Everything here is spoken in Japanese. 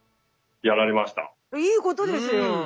いいことですよ。